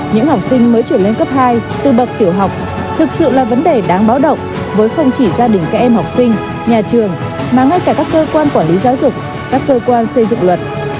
những học sinh mới chuyển lên cấp hai từ bậc tiểu học thực sự là vấn đề đáng báo động với không chỉ gia đình các em học sinh nhà trường mà ngay cả các cơ quan quản lý giáo dục các cơ quan xây dựng luật